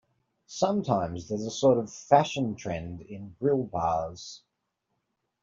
Sometimes there is a sort of fashion trend in grille bars.